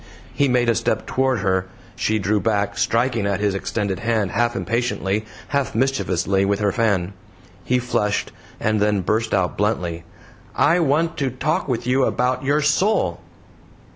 He made a step toward her; she drew back, striking at his extended hand half impatiently, half mischievously with her fan. He flushed and then burst out bluntly, "I want to talk with you about your soul."